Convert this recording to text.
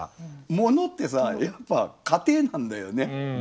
ものってさやっぱ過程なんだよね。